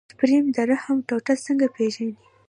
سپرم د رحم ټوټه څنګه پېژني.